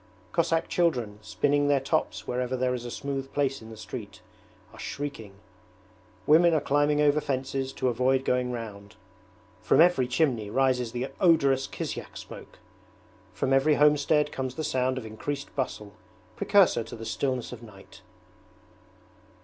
Cossack children, spinning their tops wherever there is a smooth place in the street, are shrieking; women are climbing over fences to avoid going round. From every chimney rises the odorous kisyak smoke. From every homestead comes the sound of increased bustle, precursor to the stillness of night.